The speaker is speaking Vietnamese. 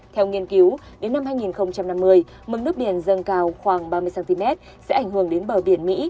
theo nghiên cứu đến năm hai nghìn năm mươi mức nước biển dâng cao khoảng ba mươi cm sẽ ảnh hưởng đến bờ biển mỹ